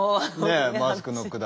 マスクの話。